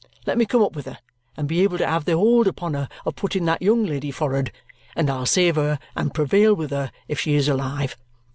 Let me come up with her and be able to have the hold upon her of putting that young lady for'ard, and I'll save her and prevail with her if she is alive.